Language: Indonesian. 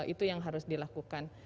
itu yang harus dilakukan